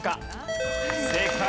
正解！